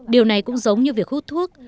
điều này cũng giống như việc hút thuốc